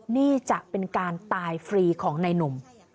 นี่จะเป็นการตายฟรีของนายหนุ่ม